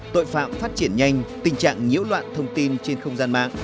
tội phạm phát triển nhanh tình trạng nhiễu loạn thông tin trên không gian mạng